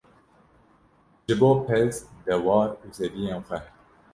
ji bo pez, dewar û zeviyên xwe